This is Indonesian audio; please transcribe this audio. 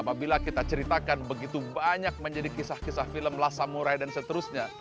apabila kita ceritakan begitu banyak menjadi kisah kisah film lasamurai dan seterusnya